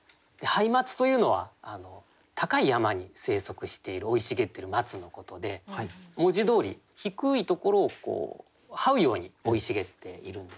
松というのは高い山に生息している生い茂ってる松のことで文字どおり低いところをうように生い茂っているんですね。